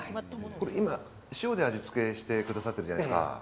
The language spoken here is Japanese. これ、今、塩で味付けしてくださってるじゃないですか。